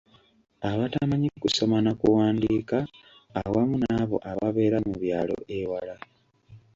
Abatamanyi kusoma na kuwandiika awamu n'abo ababeera mu byalo ewala.